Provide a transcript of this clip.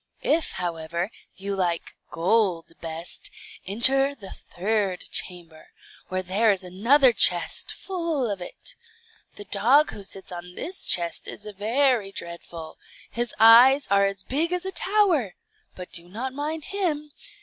If, however, you like gold best, enter the third chamber, where there is another chest full of it. The dog who sits on this chest is very dreadful; his eyes are as big as a tower, but do not mind him.